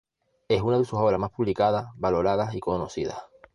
Es una de sus obras más publicadas, valoradas y conocidas.